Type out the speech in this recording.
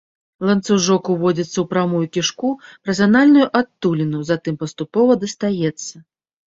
Ланцужок уводзіцца ў прамую кішку праз анальную адтуліну, затым паступова дастаецца.